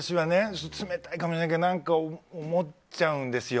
冷たいかもしれないけど思っちゃうんですよ。